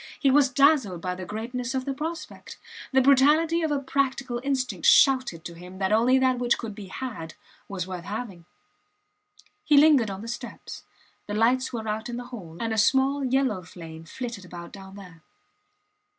He was dazzled by the greatness of the prospect; the brutality of a practical instinct shouted to him that only that which could be had was worth having. He lingered on the steps. The lights were out in the hall, and a small yellow flame flitted about down there.